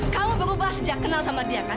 kalau berubah sejak kenal sama dia kan